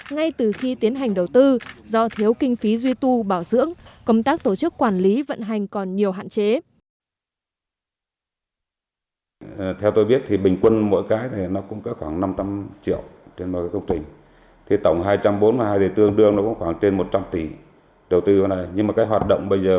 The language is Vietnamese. ngay từ khi tiến hành đầu tư do thiếu kinh phí duy tu bảo dưỡng công tác tổ chức quản lý vận hành còn nhiều hạn chế